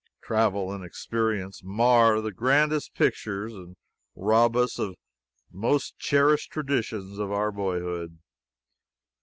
Travel and experience mar the grandest pictures and rob us of the most cherished traditions of our boyhood.